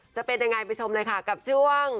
จะเป็นยังไงไปชมเลยค่ะกับช่วง